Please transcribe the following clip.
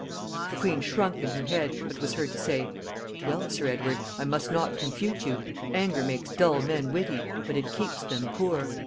The queen shrunk in her head, but was heard to say; 'Well, sir Edward, I must not confute you: Anger makes dull men witty, but it keeps them poor.'"